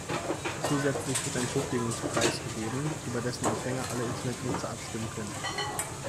Zusätzlich wird ein Publikumspreis vergeben, über dessen Empfänger alle Internetnutzer abstimmen können.